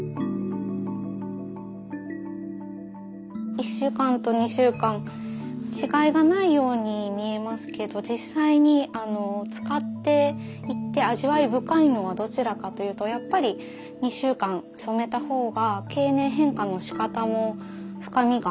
１週間と２週間違いがないように見えますけど実際に使っていって味わい深いのはどちらかというとやっぱり２週間染めたほうが経年変化のしかたも深みがあると思うんですね。